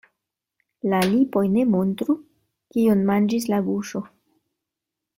La lipoj ne montru, kion manĝis la buŝo.